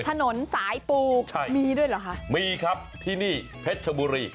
ถนนสายปูใช่มีด้วยเหรอคะมีครับที่นี่เพชรชบุรี